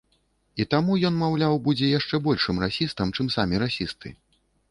І таму ён, маўляў, будзе яшчэ большым расістам, чым самі расісты.